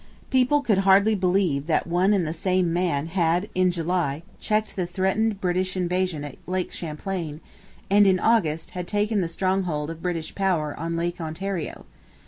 People could hardly believe that one and the same man had in July checked the threatened British invasion at Lake Champlain and in August had taken the stronghold of British power on Lake Ontario.